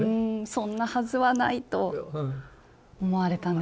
「そんなはずはない」と思われたんですね。